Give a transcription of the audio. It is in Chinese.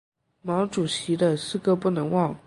毛主席的四个不能忘！